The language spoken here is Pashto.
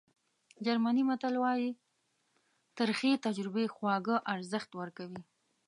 جرمني متل وایي ترخې تجربې خواږه ارزښت ورکوي.